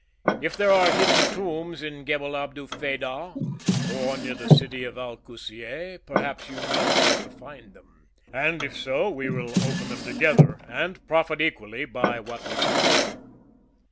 If there are hidden tombs in Gebel Abu Fedah, or near the city of Al Kusiyeh, perhaps you know where to find them; and if so, we will open them together and profit equally by what we secure."